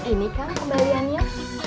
ini kang kembaliannya